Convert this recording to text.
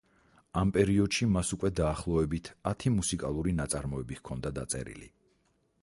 ამ პერიოდში მას უკვე, დაახლოებით, ათი მუსიკალური ნაწარმოები ჰქონდა დაწერილი.